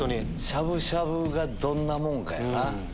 しゃぶしゃぶがどんなもんかやな。